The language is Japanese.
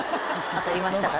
当たりましたか？